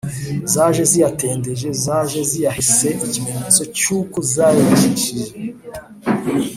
. Zaje ziyatendeje: Zaje ziyahese (ikimenyetso cy’uko zayicishije).